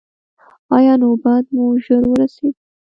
ایا نوبت مو ژر ورسید؟